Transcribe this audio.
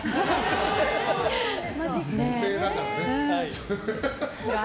油性だからね。